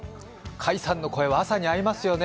甲斐さんの声は朝に合いますよね。